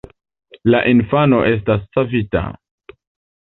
La infano estas savita.